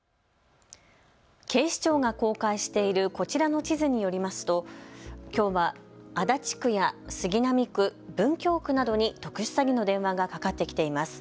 警視庁が公開しているこちらの地図によりますときょうは足立区や杉並区、文京区などに特殊詐欺の電話がかかってきています。